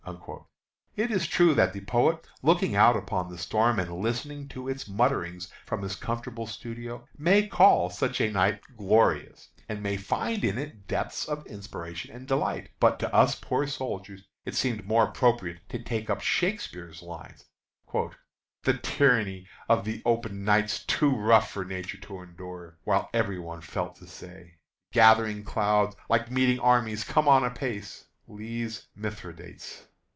It is true that the poet, looking out upon the storm and listening to its mutterings from his comfortable studio, may call such a night "glorious," and may find in it depths of inspiration and delight; but to us poor soldiers it seemed more appropriate to take up Shakespeare's lines: "The tyranny of th' open night's too rough For nature to endure," while every one felt to say, "The gathering clouds, like meeting armies, Come on apace." _Lee's "Mithridates."